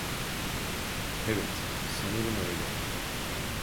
Evet, sanırım öyle.